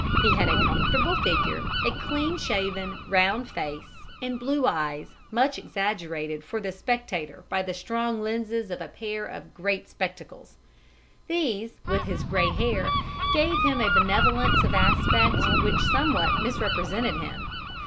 He had a comfortable figure, a clean shaven, round face, and blue eyes much exaggerated for the spectator by the strong lenses of a pair of great spectacles. These, with his gray hair, gave him a benevolence of aspect which somewhat misrepresented him.